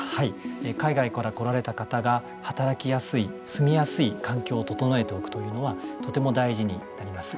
海外から来られた方が働きやすい、住みやすい環境を整えておくというのはとても大事になります。